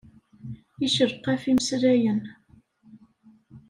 Iccelqaf imeslayen.